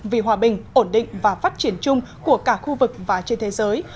vì hòa bình ổn định và phát triển chung của cả khu vực và trên thế giới